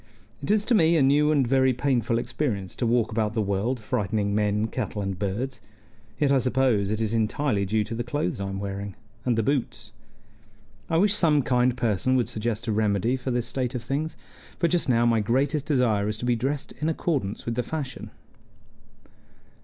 "It is to me a new and very painful experience to walk about the world frightening men, cattle, and birds; yet I suppose it is entirely due to the clothes I am wearing and the boots. I wish some kind person would suggest a remedy for this state of things; for just now my greatest desire is to be dressed in accordance with the fashion."